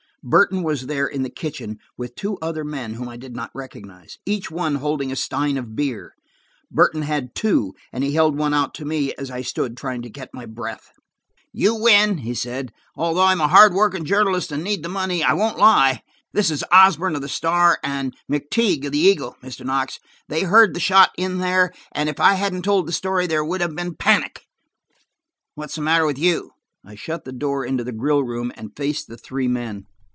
Burton was there in the kitchen, with two other men whom I did not recognize, each one holding a stein of beer. Burton had two, and he held one out to me as I stood trying to get my breath. "You win," he said. "Although I'm a hard working journalist and need the money, I won't lie. This is Osborne of the Star and McTighe of the Eagle, Mr. Knox. They heard the shot in there, and if I hadn't told the story, there would have been a panic. What's the matter with you?" I shut the door into the grill room and faced the three men.